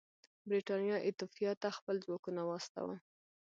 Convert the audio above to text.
برېټانیا ایتوپیا ته خپل ځواکونه واستول.